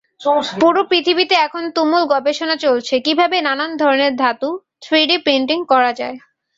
পুরো পৃথিবীতে এখন তুমুল গবেষণা চলছে কিভাবে নানান ধরণের ধাতু থ্রিডি প্রিন্টিং করা যায়।